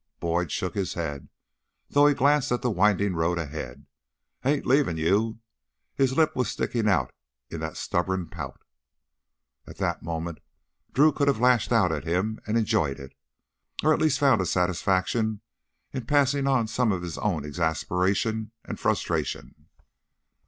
Boyd shook his head, though he glanced at the winding road ahead. "I ain't leavin' you!" His lip was sticking out in that stubborn pout. At that moment Drew could have lashed out at him and enjoyed it, or at least found a satisfaction in passing on some of his own exasperation and frustration.